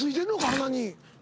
鼻に。